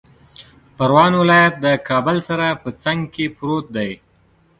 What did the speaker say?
پروان ولایت د کابل سره په څنګ کې پروت دی